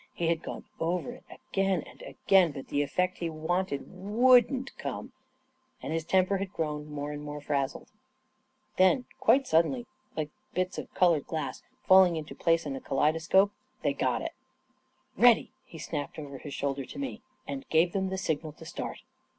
He had gone over it again and again, but the effect he wanted wouldn't come, and his temper had grown more and more frazzled. Then, quite suddenly, like the bits of col ored glass falling into place in a kaleidoscope, they got it. A KING IN BABYLON 3 " Ready 1 " he snapped over his shoulder to me, and gave them the signal to start.